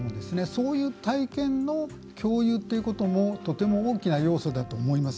そういう体験の共有ということもとても大きな要素だと思います。